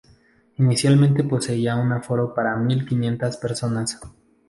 Inicialmente poseía un aforo para mil quinientas personas.